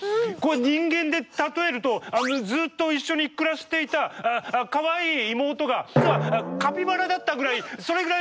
人間で例えるとずっと一緒に暮らしていたかわいい妹が実はカピバラだったぐらいそれぐらいのびっくりですよ。